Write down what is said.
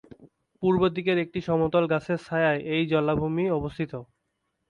পূর্বদিকের একটি সমতল গাছের ছায়ায় এই জলাভূমি অবস্থিত।